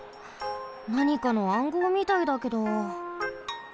なにかの暗号みたいだけど。